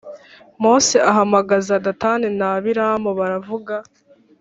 Mose ahamagaza Datani na Abiramu baravuga